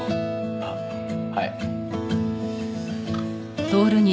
あっはい。